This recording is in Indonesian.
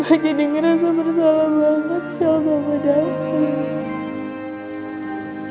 makanya gue ngerasa bersalah banget shell sama david